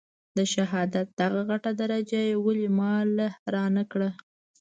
د شهادت دغه غټه درجه يې ولې ما له رانه کړه.